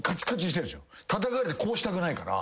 たたかれてこうしたくないから。